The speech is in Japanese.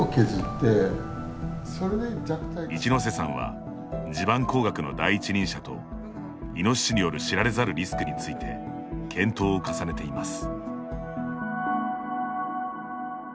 一瀬さんは地盤工学の第一人者とイノシシによる知られざるリスクについて検討を重ねています。